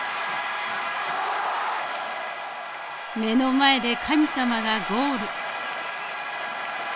目の前で神様がゴール。